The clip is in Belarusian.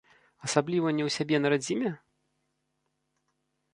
Асабліва не ў сябе на радзіме?